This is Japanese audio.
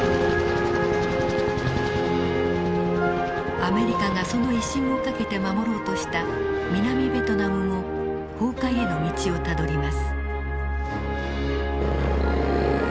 アメリカがその威信を懸けて守ろうとした南ベトナムも崩壊への道をたどります。